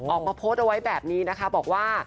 ออกมาโพสต์เอาไว้แบบนี้นะคะบอกว่า